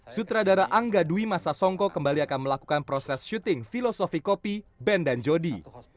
sutradara angga dwi masa songko kembali akan melakukan proses syuting filosofi kopi ben dan jody